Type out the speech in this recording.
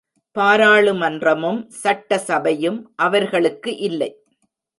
பாராளு மன்றமும் சட்ட சபையும் அவர்களுக்கு இல்லை.